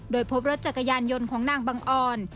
โดยพบรถจักรยานยนต์ของนางบังออน